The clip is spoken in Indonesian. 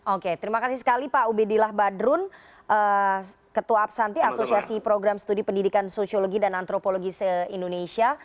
oke terima kasih sekali pak ubedillah badrun ketua absanti asosiasi program studi pendidikan sosiologi dan antropologi se indonesia